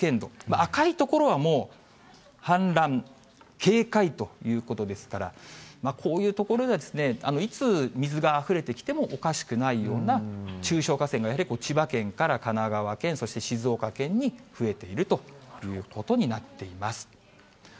赤い所はもう氾濫警戒ということですから、こういう所では、いつ水があふれてきてもおかしくないような、中小河川がやはり、千葉県から神奈川県、そして静岡県に増えているということになっています。